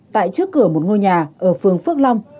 tại trước cửa một ngôi nhà ở phường phước long